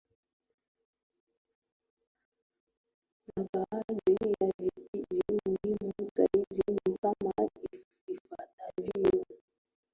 Na baadhi ya vipindi muhimu zaidi ni kama ifuatavyo